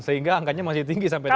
sehingga angkanya masih tinggi